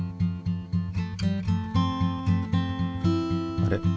あれ？